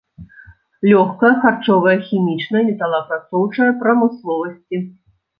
Лёгкая, харчовая, хімічная, металаапрацоўчая прамысловасці.